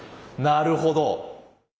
なるほど。